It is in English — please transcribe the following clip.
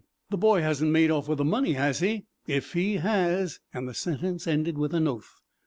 The boy hasn't made off with the money, has he? If he has " and the sentence ended with an oath.